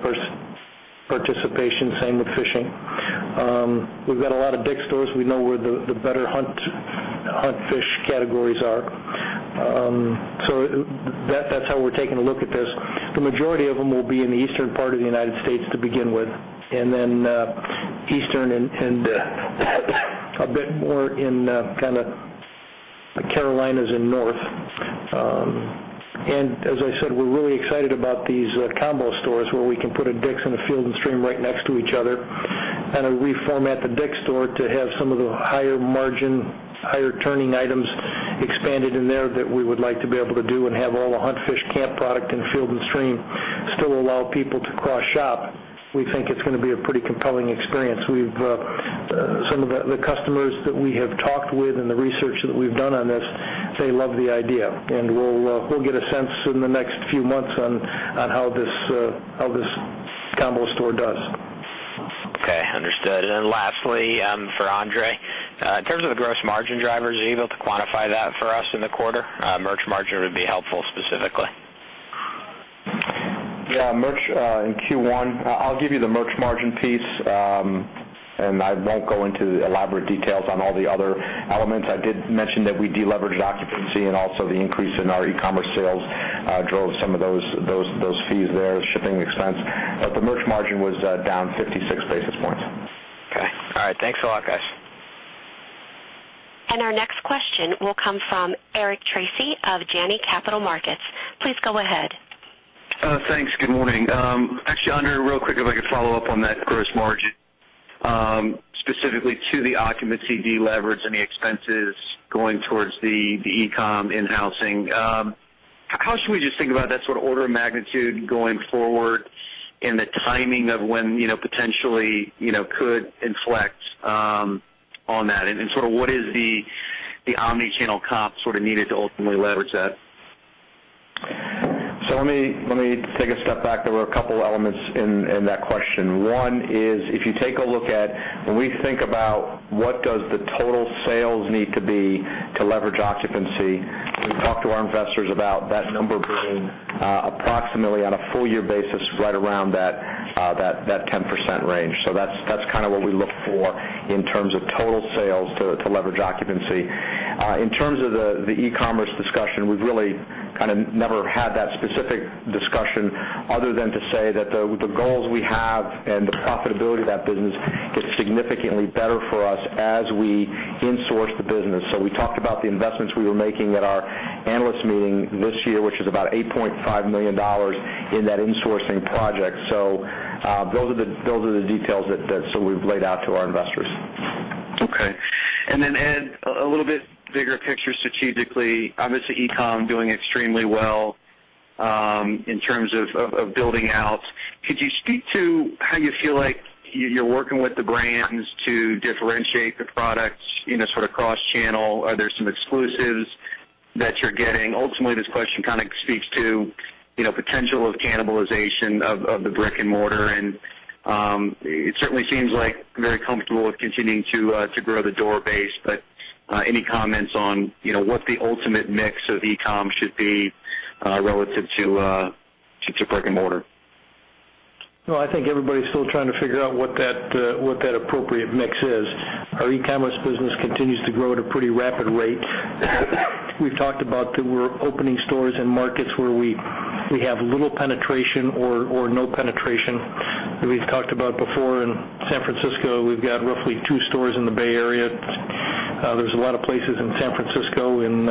participation, same with fishing. We have got a lot of DICK'S stores. We know where the better hunt, fish categories are. That is how we are taking a look at this. The majority of them will be in the eastern part of the United States to begin with, and then eastern and a bit more in the Carolinas and north. As I said, we're really excited about these combo stores where we can put a DICK'S and a Field & Stream right next to each other and reformat the DICK'S store to have some of the higher margin, higher turning items expanded in there that we would like to be able to do and have all the hunt, fish, camp product in Field & Stream still allow people to cross-shop. We think it's going to be a pretty compelling experience. Some of the customers that we have talked with and the research that we've done on this say love the idea, and we'll get a sense in the next few months on how this combo store does. Okay. Understood, lastly, for Andre, in terms of the gross margin drivers, are you able to quantify that for us in the quarter? Merch margin would be helpful specifically. Yeah, merch in Q1. I'll give you the merch margin piece, I won't go into elaborate details on all the other elements. I did mention that we de-leveraged occupancy and also the increase in our e-commerce sales drove some of those fees there, shipping expense. The merch margin was down 56 basis points. Okay. All right. Thanks a lot, guys. Our next question will come from Eric Tracy of Janney Montgomery Scott. Please go ahead. Thanks. Good morning. Actually, Andre, real quick, if I could follow up on that gross margin, specifically to the occupancy deleverage and the expenses going towards the e-com in-housing. How should we just think about that sort of order of magnitude going forward and the timing of when potentially could inflect on that, and what is the omni-channel comp needed to ultimately leverage that? Let me take a step back. There were a couple elements in that question. One is if you take a look at when we think about what does the total sales need to be to leverage occupancy, we've talked to our investors about that number being approximately on a full year basis right around that 10% range. That's what we look for in terms of total sales to leverage occupancy. In terms of the e-commerce discussion, we've really kind of never had that specific discussion other than to say that the goals we have and the profitability of that business gets significantly better for us as we insource the business. We talked about the investments we were making at our analyst meeting this year, which is about $8.5 million in that insourcing project. Those are the details that we've laid out to our investors. Okay. Then, Ed, a little bit bigger picture strategically, obviously, e-com doing extremely well in terms of building out. Could you speak to how you feel like you're working with the brands to differentiate the products sort of cross-channel? Are there some exclusives that you're getting? Ultimately, this question kind of speaks to potential of cannibalization of the brick and mortar, and it certainly seems like very comfortable with continuing to grow the door base. Any comments on what the ultimate mix of e-com should be relative to brick and mortar? Well, I think everybody's still trying to figure out what that appropriate mix is. Our e-commerce business continues to grow at a pretty rapid rate. We've talked about that we're opening stores in markets where we have little penetration or no penetration. We've talked about before in San Francisco, we've got roughly two stores in the Bay Area. There's a lot of places in San Francisco, in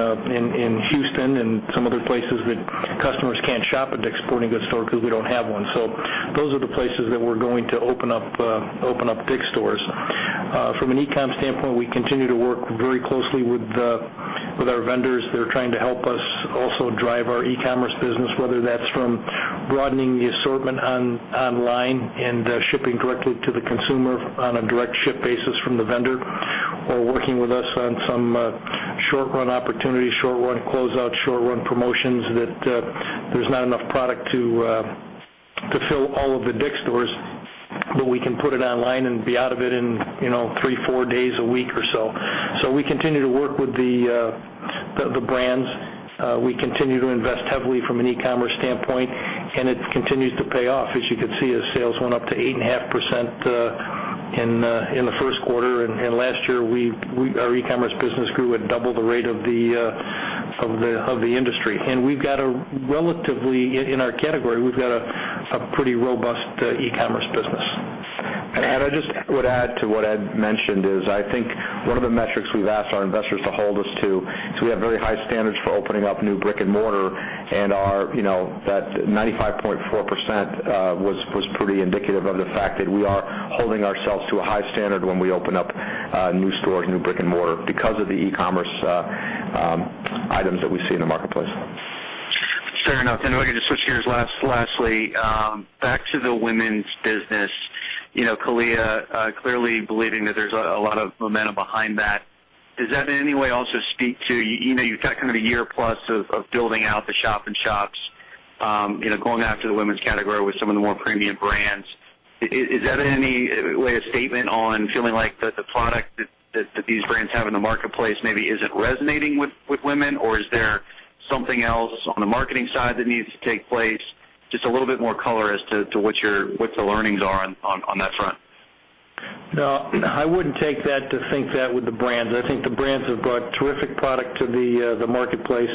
Houston, and some other places that customers can't shop at DICK'S Sporting Goods store because we don't have one. Those are the places that we're going to open up DICK'S stores. From an e-com standpoint, we continue to work very closely with our vendors that are trying to help us also drive our e-commerce business, whether that's from broadening the assortment online and shipping directly to the consumer on a direct ship basis from the vendor or working with us on some short-run opportunities, short-run closeout, short-run promotions that there's not enough product to fill all of the DICK'S stores, but we can put it online and be out of it in three, four days a week or so. We continue to work with the brands. We continue to invest heavily from an e-commerce standpoint, and it continues to pay off. As you can see, as sales went up to 8.5% in the first quarter, and last year, our e-commerce business grew at double the rate of the industry. We've got a relatively, in our category, we've got a pretty robust e-commerce business. I just would add to what Ed mentioned is I think one of the metrics we've asked our investors to hold us to, so we have very high standards for opening up new brick and mortar, and that 95.4% was pretty indicative of the fact that we are holding ourselves to a high standard when we open up new stores, new brick and mortar because of the e-commerce items that we see in the marketplace. Fair enough. If I could just switch gears lastly, back to the women's business. CALIA clearly believing that there's a lot of momentum behind that. Does that in any way also speak to, you've got kind of a year plus of building out the shop-in-shops, going after the women's category with some of the more premium brands. Is that in any way a statement on feeling like the product that these brands have in the marketplace maybe isn't resonating with women, or is there something else on the marketing side that needs to take place? Just a little bit more color as to what the learnings are on that front. No, I wouldn't take that to think that with the brands. I think the brands have brought terrific product to the marketplace.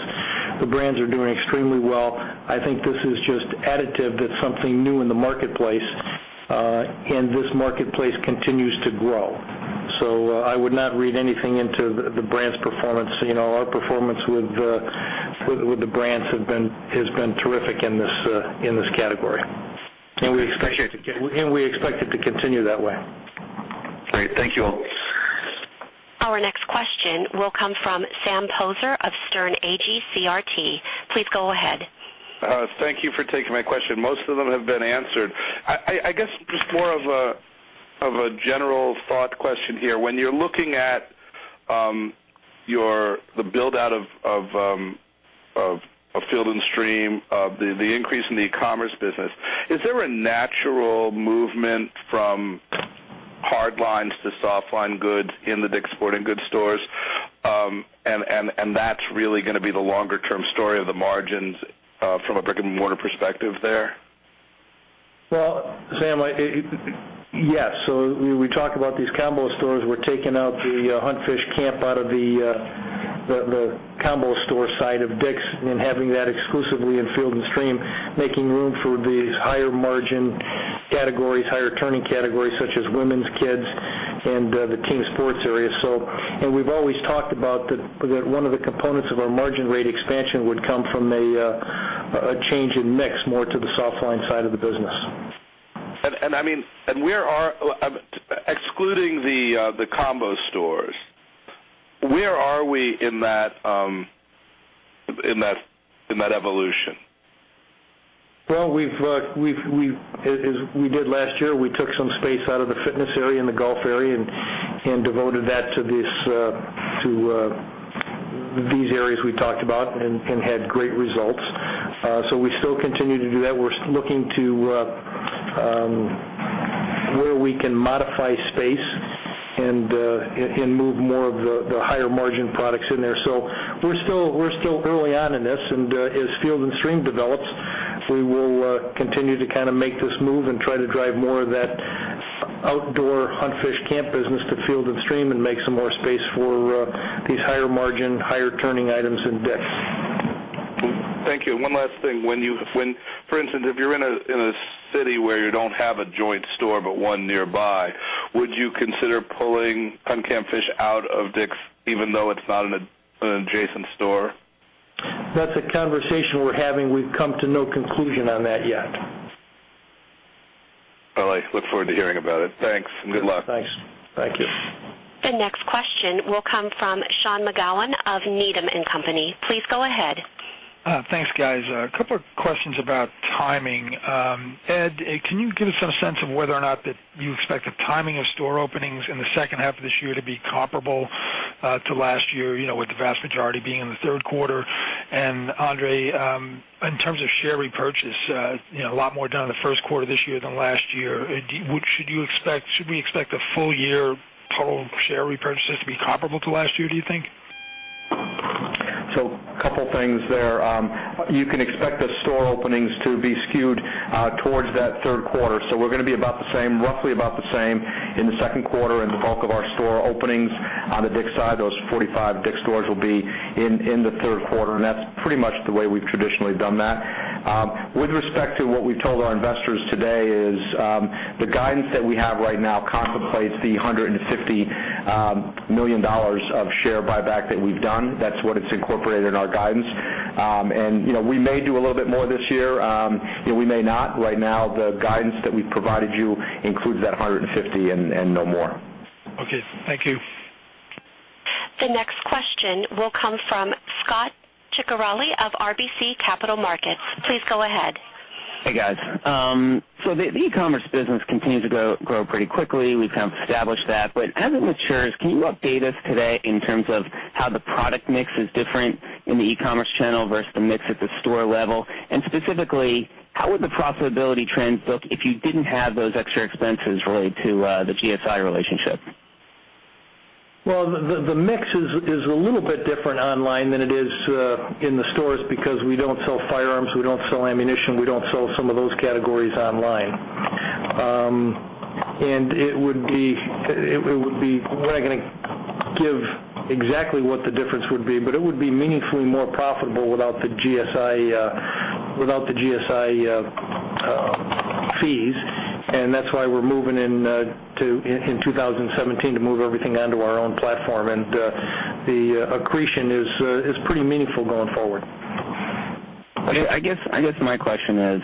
The brands are doing extremely well. I think this is just additive to something new in the marketplace. This marketplace continues to grow. I would not read anything into the brand's performance. Our performance with the brands has been terrific in this category. We expect it to continue that way. Great. Thank you all. Our next question will come from Sam Poser of Sterne Agee CRT. Please go ahead. Thank you for taking my question. Most of them have been answered. I guess just more of a general thought question here. When you're looking at the build-out of Field & Stream, of the increase in the e-commerce business, is there a natural movement from hard lines to soft line goods in the DICK'S Sporting Goods stores? That's really gonna be the longer term story of the margins, from a brick and mortar perspective there? Well, Sam, yes. We talked about these combo stores. We're taking out the Hunt Fish Camp out of the combo store side of DICK'S and having that exclusively in Field & Stream, making room for these higher margin categories, higher turning categories such as women's, kids, and the team sports area. We've always talked about that one of the components of our margin rate expansion would come from a change in mix more to the soft line side of the business. Excluding the combo stores, where are we in that evolution? Well, as we did last year, we took some space out of the fitness area and the golf area and devoted that to these areas we talked about and had great results. We still continue to do that. We're looking to where we can modify space and move more of the higher margin products in there. We're still early on in this and as Field & Stream develops, we will continue to make this move and try to drive more of that outdoor hunt, fish, camp business to Field & Stream and make some more space for these higher margin, higher turning items in DICK'S. Thank you. One last thing. For instance, if you're in a city where you don't have a joint store but one nearby, would you consider pulling hunt, camp, fish out of DICK'S even though it's not an adjacent store? That's a conversation we're having. We've come to no conclusion on that yet. Well, I look forward to hearing about it. Thanks and good luck. Thanks. Thank you. The next question will come from Sean McGowan of Needham & Company. Please go ahead. Thanks, guys. A couple of questions about timing. Ed, can you give us some sense of whether or not that you expect the timing of store openings in the second half of this year to be comparable to last year, with the vast majority being in the third quarter? Andre, in terms of share repurchase, a lot more done in the first quarter of this year than last year. Should we expect the full year total share repurchases to be comparable to last year, do you think? A couple of things there. You can expect the store openings to be skewed towards that third quarter. We're going to be roughly about the same in the second quarter and the bulk of our store openings on the DICK'S side, those 45 DICK'S stores will be in the third quarter, and that's pretty much the way we've traditionally done that. With respect to what we've told our investors today is, the guidance that we have right now contemplates the $150 million of share buyback that we've done. That's what it's incorporated in our guidance. We may do a little bit more this year, we may not. Right now, the guidance that we've provided you includes that $150 and no more. Okay. Thank you. The next question will come from Scot Ciccarelli of RBC Capital Markets. Please go ahead. Hey, guys. The e-commerce business continues to grow pretty quickly. We've kind of established that. As it matures, can you update us today in terms of how the product mix is different in the e-commerce channel versus the mix at the store level? Specifically, how would the profitability trends look if you didn't have those extra expenses related to the GSI relationship? Well, the mix is a little bit different online than it is in the stores because we don't sell firearms, we don't sell ammunition, we don't sell some of those categories online. We're not going to give exactly what the difference would be, but it would be meaningfully more profitable without the GSI fees. That's why we're moving in 2017 to move everything onto our own platform. The accretion is pretty meaningful going forward. I guess my question is,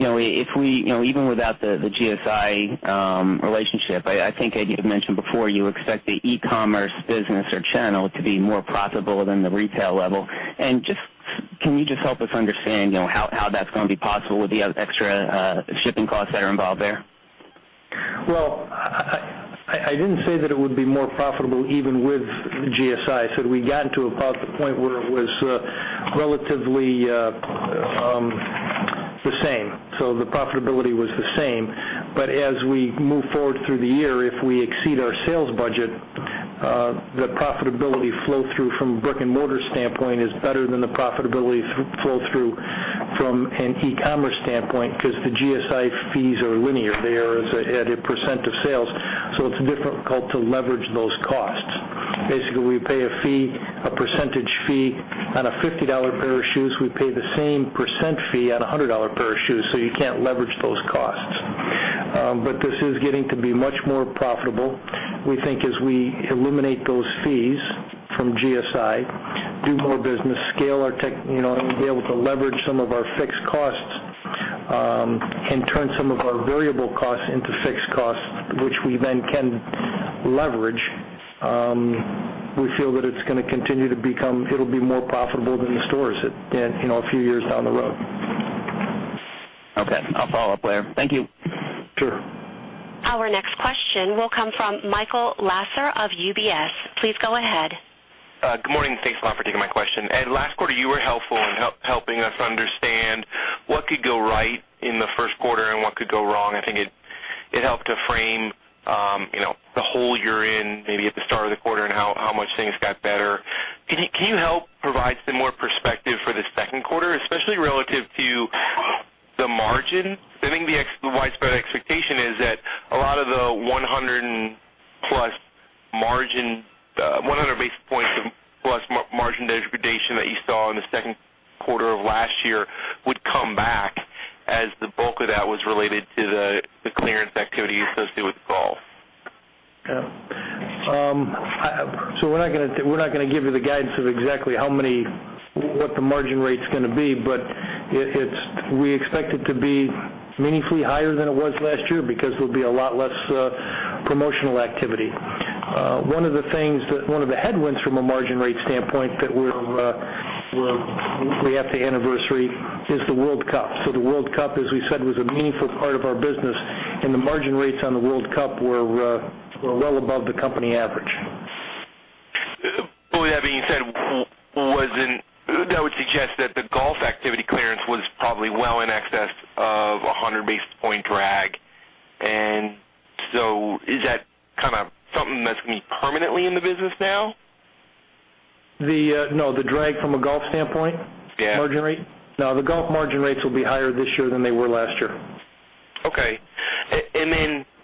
even without the GSI relationship, I think Ed, you had mentioned before you expect the e-commerce business or channel to be more profitable than the retail level. Can you just help us understand how that's going to be possible with the extra shipping costs that are involved there? I didn't say that it would be more profitable even with GSI. I said we had gotten to about the point where it was relatively the same. The profitability was the same. As we move forward through the year, if we exceed our sales budget, the profitability flow-through from a brick-and-mortar standpoint is better than the profitability flow-through from an e-commerce standpoint because the GSI fees are linear. They are at a % of sales, so it's difficult to leverage those costs. Basically, we pay a % fee on a $50 pair of shoes. We pay the same % fee on a $100 pair of shoes, so you can't leverage those costs. This is getting to be much more profitable. We think as we eliminate those fees from GSI, do more business, scale our tech, and we'll be able to leverage some of our fixed costs and turn some of our variable costs into fixed costs, which we then can leverage. We feel that it'll be more profitable than the stores a few years down the road. Okay. I'll follow up later. Thank you. Sure. Our next question will come from Michael Lasser of UBS. Please go ahead. Good morning. Thanks a lot for taking my question. Ed, last quarter, you were helpful in helping us understand what could go right in the first quarter and what could go wrong. I think it helped to frame the hole you're in maybe at the start of the quarter and how much things got better. Can you help provide some more, especially relative to the margin? I think the widespread expectation is that a lot of the 100 basis points-plus margin degradation that you saw in the second quarter of last year would come back as the bulk of that was related to the clearance activity associated with golf. Yeah. We're not going to give you the guidance of exactly what the margin rate's going to be, but we expect it to be meaningfully higher than it was last year because there'll be a lot less promotional activity. One of the headwinds from a margin rate standpoint that we have the anniversary is the World Cup. The World Cup, as we said, was a meaningful part of our business, and the margin rates on the World Cup were well above the company average. With that being said, that would suggest that the golf activity clearance was probably well in excess of a 100-basis point drag. Is that something that's going to be permanently in the business now? No. The drag from a golf standpoint? Yeah. Margin rate? The golf margin rates will be higher this year than they were last year. Okay.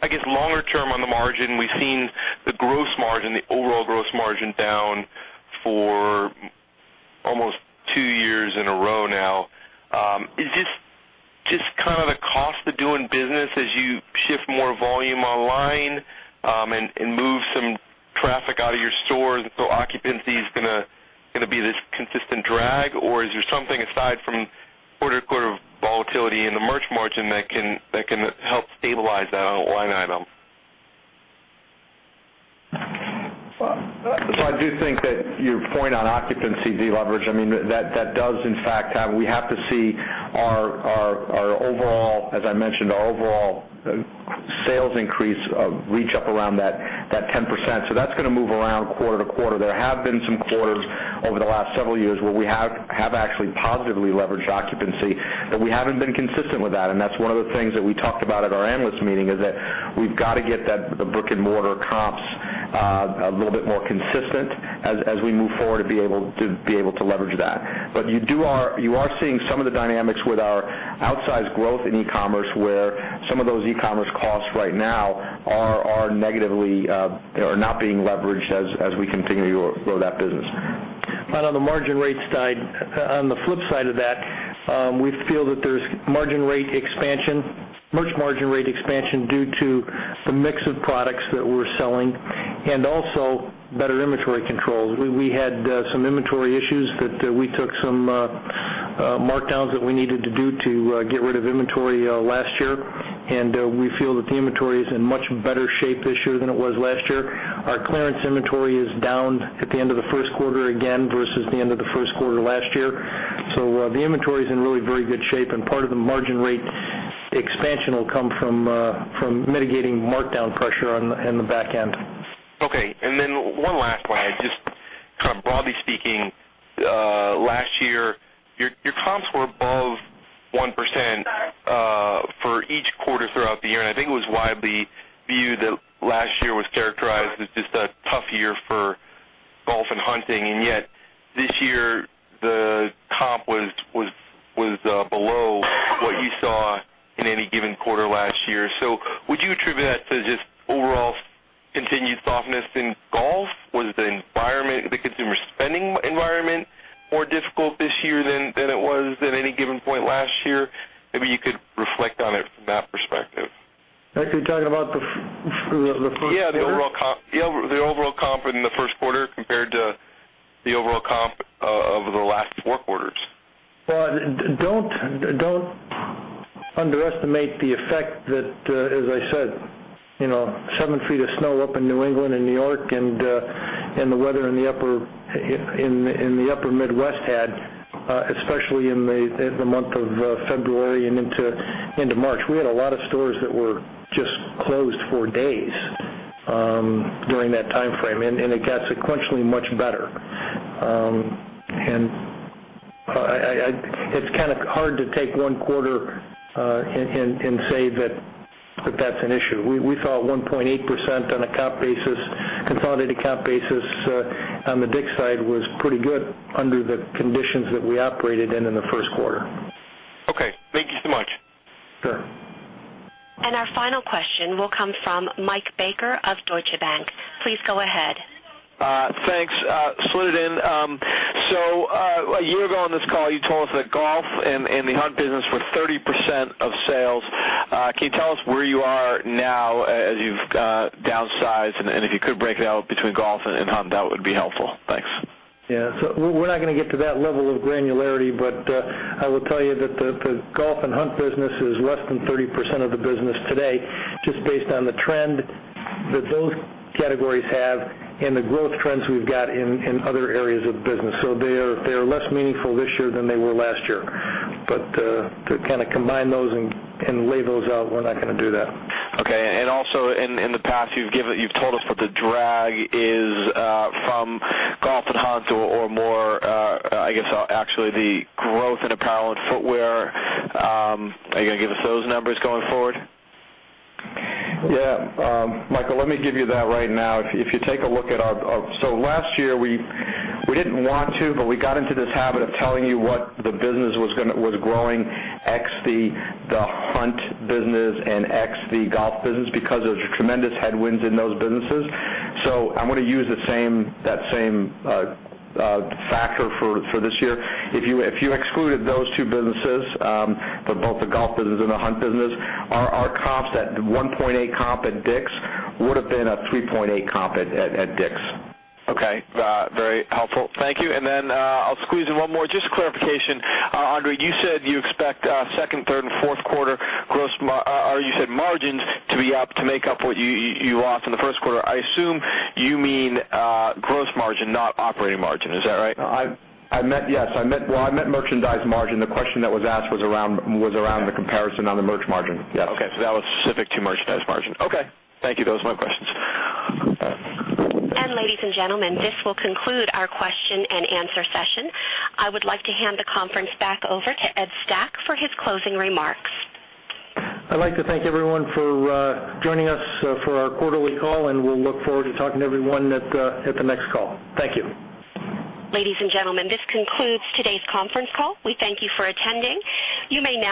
I guess, longer term on the margin, we've seen the overall gross margin down for almost 2 years in a row now. Is this just the cost of doing business as you shift more volume online and move some traffic out of your stores, occupancy is going to be this consistent drag, or is there something aside from quarter-to-quarter volatility in the merch margin that can help stabilize that on a line item? I do think that your point on occupancy de-leverage, that does we have to see our overall, as I mentioned, sales increase reach up around that 10%. That's going to move around quarter-to-quarter. There have been some quarters over the last several years where we have actually positively leveraged occupancy, but we haven't been consistent with that. That's one of the things that we talked about at our analyst meeting, is that we've got to get the brick-and-mortar comps a little bit more consistent as we move forward to be able to leverage that. You are seeing some of the dynamics with our outsized growth in e-commerce, where some of those e-commerce costs right now are not being leveraged as we continue to grow that business. On the margin rates side, on the flip side of that, we feel that there's merch margin rate expansion due to the mix of products that we're selling and also better inventory controls. We had some inventory issues that we took some markdowns that we needed to do to get rid of inventory last year, we feel that the inventory is in much better shape this year than it was last year. Our clearance inventory is down at the end of the first quarter again versus the end of the first quarter last year. The inventory is in really very good shape, part of the margin rate expansion will come from mitigating markdown pressure on the back end. Okay. One last one. Just broadly speaking, last year, your comps were above 1% for each quarter throughout the year. I think it was widely viewed that last year was characterized as just a tough year for golf and hunting. Yet this year, the comp was below what you saw in any given quarter last year. Would you attribute that to just overall continued softness in golf? Was the consumer spending environment more difficult this year than it was at any given point last year? Maybe you could reflect on it from that perspective. Ed, you're talking about the first quarter? Yeah, the overall comp in the first quarter compared to the overall comp of the last four quarters. Well, don't underestimate the effect that, as I said, seven feet of snow up in New England and New York and the weather in the upper Midwest had, especially in the month of February and into March. We had a lot of stores that were just closed for days during that timeframe. It got sequentially much better. It's kind of hard to take one quarter and say that that's an issue. We saw a 1.8% on a consolidated comp basis on the DICK'S side was pretty good under the conditions that we operated in in the first quarter. Okay. Thank you so much. Sure. Our final question will come from Michael Baker of Deutsche Bank. Please go ahead. Thanks. Slid in. A year ago on this call, you told us that golf and the hunt business were 30% of sales. Can you tell us where you are now as you've downsized, and if you could break it out between golf and hunt, that would be helpful. Thanks. Yeah. We're not going to get to that level of granularity, but I will tell you that the golf and hunt business is less than 30% of the business today, just based on the trend that those categories have and the growth trends we've got in other areas of the business. They are less meaningful this year than they were last year. To kind of combine those and lay those out, we're not going to do that. Also in the past, you've told us that the drag is from golf and hunt or more, I guess actually the growth in apparel and footwear. Are you going to give us those numbers going forward? Yeah. Michael, let me give you that right now. Last year, we didn't want to, but we got into this habit of telling you what the business was growing ex the hunt business and ex the golf business because there was tremendous headwinds in those businesses. I'm going to use that same factor for this year. If you excluded those two businesses, both the golf business and the hunt business, our comps at 1.8 comp at DICK'S would've been a 3.8 comp at DICK'S. Okay. Very helpful. Thank you. Then I'll squeeze in one more. Just clarification, Andre, you said you expect second, third, and fourth quarter, you said margins to be up to make up what you lost in the first quarter. I assume you mean gross margin, not operating margin. Is that right? Yes. Well, I meant merchandise margin. The question that was asked was around the comparison on the merch margin. Yes. Okay. That was specific to merchandise margin. Okay. Thank you. Those are my questions. Ladies and gentlemen, this will conclude our question-and-answer session. I would like to hand the conference back over to Ed Stack for his closing remarks. I'd like to thank everyone for joining us for our quarterly call, and we'll look forward to talking to everyone at the next call. Thank you. Ladies and gentlemen, this concludes today's conference call. We thank you for attending. You may now